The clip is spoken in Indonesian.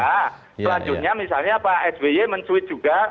selanjutnya misalnya pak sby mencuit juga